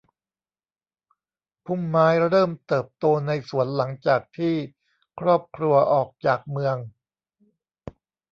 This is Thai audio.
พุ่มไม้เริ่มเติบโตในสวนหลังจากที่ครอบครัวออกจากเมือง